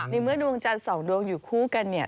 ในเมื่อดวงจันทร์๒ดวงอยู่คู่กันเนี่ย